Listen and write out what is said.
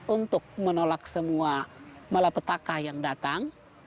untuk menolak semua malapetaka yang datang